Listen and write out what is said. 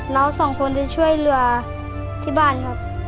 น้องสองคนจะช่วยเรือที่บ้านครับ